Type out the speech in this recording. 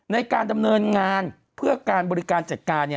ในการดำเนินงานเพื่อการบริการจัดการ